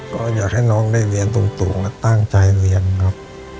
ก็อยากให้น้องได้เรียนตรงและตั้งใจเรียนครับ